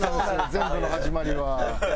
全部の始まりは。